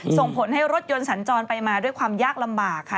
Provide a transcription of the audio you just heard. ส่งผลให้รถยนต์สัญจรไปมาด้วยความยากลำบากค่ะ